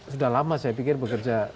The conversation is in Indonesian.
sudah lama saya pikir bekerja